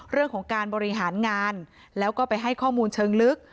เรื่องของการบริหารงานแล้วก็ไปให้ข้อมูลเชิงลึก